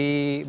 ya masih masih